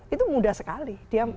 itu mudah sekali dia